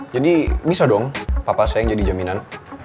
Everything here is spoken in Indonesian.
jadi bisa dong papa saya yang jadi jaminan